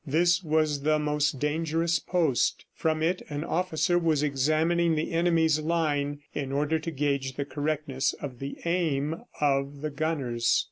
This was the most dangerous post. From it, an officer was examining the enemy's line in order to gauge the correctness of the aim of the gunners.